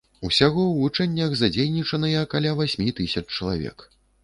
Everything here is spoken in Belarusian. Усяго ў вучэннях задзейнічаныя каля васьмі тысяч чалавек.